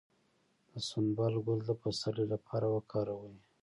د سنبل ګل د پسرلي لپاره وکاروئ